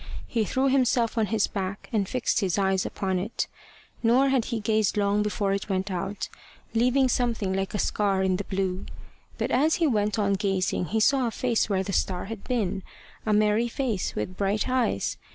He threw himself on his back, and fixed his eyes upon it. Nor had he gazed long before it went out, leaving something like a scar in the blue. But as he went on gazing he saw a face where the star had been a merry face, with bright eyes.